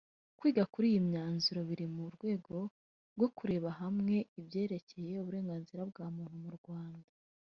Kwiga kuri iyi myanzuro biri mu rwego rwo kurebera hamwe ibyerekeye uburenganzira bwa muntu mu Rwanda